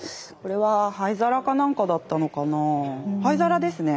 灰皿ですね。